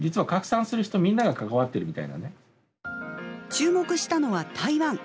注目したのは台湾。